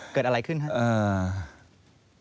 เกิดอะไรขึ้นครับ